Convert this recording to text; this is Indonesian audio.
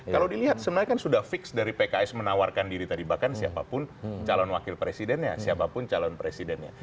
kalau dilihat sebenarnya kan sudah fix dari pks menawarkan diri tadi bahkan siapapun calon wakil presidennya siapapun calon presidennya